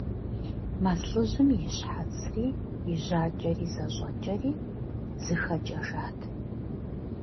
Мэз лӏыжьым и щхьэцри и жьакӏэри зэщӏэкӏэри зыхэкӏэжат.